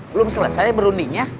belum selesai berundingnya